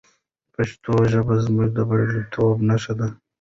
پښتو ژبه زموږ د بریالیتوب نښه ده.